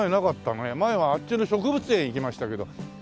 前はあっちの植物園へ行きましたけど。